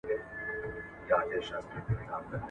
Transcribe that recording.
پژو خپل حالت ښه کړ.